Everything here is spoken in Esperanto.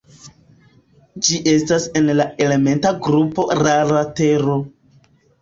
Ĝi estas en la elementa grupo "rara tero".